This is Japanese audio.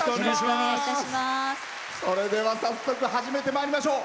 それでは早速始めてまいりましょう。